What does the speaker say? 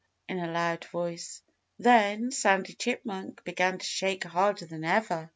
in a loud voice. Then Sandy Chipmunk began to shake harder than ever.